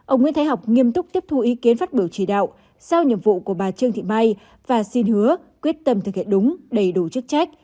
ông nguyễn thái học nghiêm túc tiếp thu ý kiến phát biểu chỉ đạo sao nhiệm vụ của bà trương thị mai và xin hứa quyết tâm thực hiện đúng đầy đủ chức trách